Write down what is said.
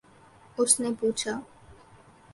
اس نے پوچھا